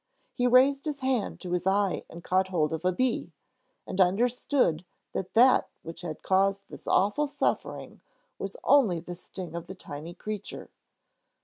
He raised his hand to his eye and caught hold of a bee, and understood that that which caused this awful suffering was only the sting of the tiny creature.